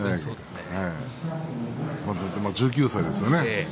まだ１９歳ですよね。